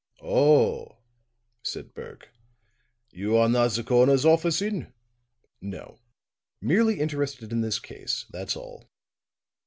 "Oh," said Berg, "you are not the coroner's office in?" "No; merely interested in this case, that's all."